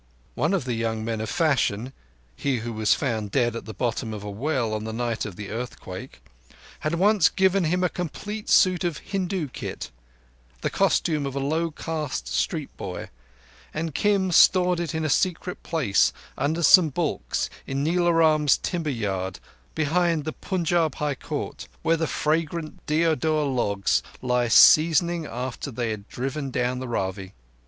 One of the young men of fashion—he who was found dead at the bottom of a well on the night of the earthquake—had once given him a complete suit of Hindu kit, the costume of a lowcaste street boy, and Kim stored it in a secret place under some baulks in Nila Ram's timber yard, beyond the Punjab High Court, where the fragrant deodar logs lie seasoning after they have driven down the Ravi.